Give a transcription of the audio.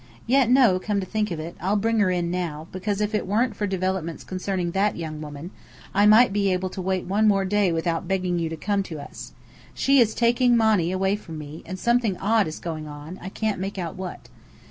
Yet no, come to think of it, I'll bring her in now, because if it weren't for developments concerning that young woman, I might be able to wait one more day without begging you to come to us. She is taking Monny away from me; and something odd is going on, I can't make out what.